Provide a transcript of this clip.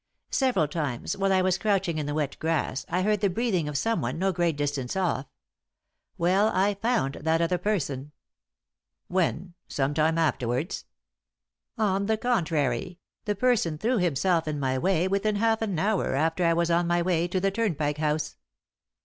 Several times, while I was crouching in the wet grass, I heard the breathing of someone no great distance off. Well, I found that other person." "When some time afterwards?" "On the contrary, the person threw himself in my way within half an hour after I was on my way to the Turnpike House."